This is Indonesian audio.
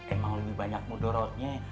emang lebih banyak mudorotnya